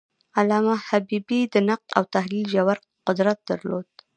علامه حبیبي د نقد او تحلیل ژور قدرت درلود.